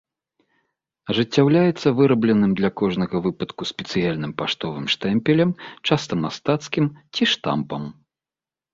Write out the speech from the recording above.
Ажыццяўляецца вырабленым для кожнага выпадку спецыяльным паштовым штэмпелем, часта мастацкім, ці штампам.